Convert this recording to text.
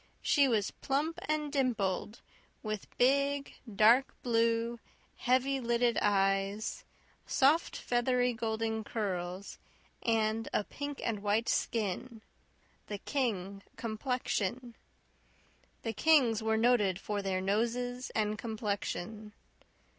She was plump and dimpled, with big, dark blue, heavy lidded eyes, soft, feathery, golden curls, and a pink and white skin "the King complexion." The Kings were noted for their noses and complexion.